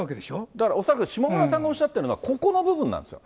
だから、恐らく下村さんがおっしゃっているのはここの部分なんですよ。